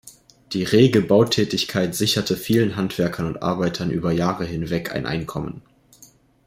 Die rege Bautätigkeit sicherte vielen Handwerkern und Arbeitern über Jahre hinweg ein Einkommen.